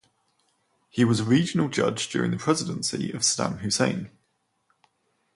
He was a regional judge during the presidency of Saddam Hussein.